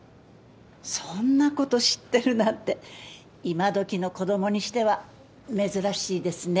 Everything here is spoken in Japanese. そんなこと知ってるなんて今どきの子供にしては珍しいですね。